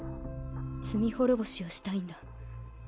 罪滅ぼしをしたいんだ。